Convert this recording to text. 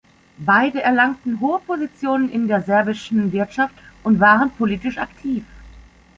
Beide erlangten hohe Positionen in der serbischen Wirtschaft und waren politisch aktiv.